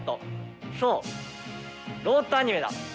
そうロボットアニメだ。